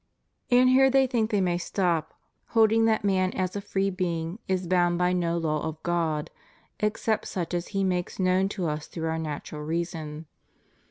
But here they think they may stop, holding that man as a free being is boimd by no law of God, except such as He makes known to us through our natural reason.